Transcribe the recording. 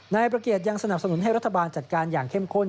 นายประเกียจยังสนับสนุนให้รัฐบาลจัดการอย่างเข้มข้น